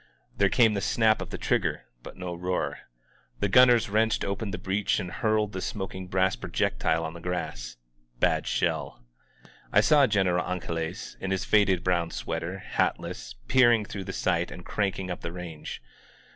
There came the snap of the trigger, but no roar. The gunners wrenched open the breech and hurled the smoking brass projectile on the grass. Bad shell. I saw Greneral Angeles in his faded brown sweater, hatless, peering through the sight and cranking up the range.